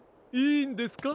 いいんですか？